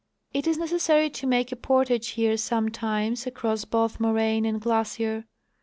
It is necessary to make a portage here sometimes across both moraine and glacier.